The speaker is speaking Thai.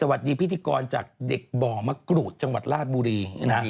สวัสดีพิธีกรจากเด็กบ่อมะกรูดจังหวัดลาดบุรี